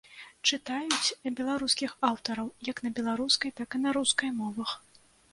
Чытаюць беларускіх аўтараў як на беларускай, так і на рускай мовах.